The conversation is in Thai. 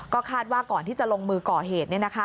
ก็คาดว่าก่อนที่จะลงมือก่อเหตุ